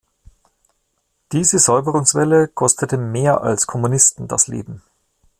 Diese Säuberungswelle kostete mehr als Kommunisten das Leben.